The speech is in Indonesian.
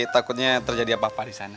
takutnya terjadi apa apa disana